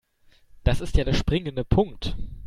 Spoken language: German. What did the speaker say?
Das ist ja der springende Punkt.